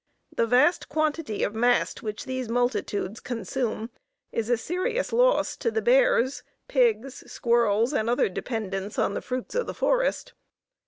The vast quantity of mast which these multitudes consume is a serious loss to the bears, pigs, squirrels, and other dependents on the fruits of the forest.